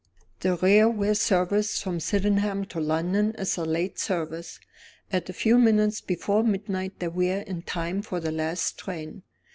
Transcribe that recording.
The railway service from Sydenham to London is a late service. At a few minutes before midnight they were in time for the last train.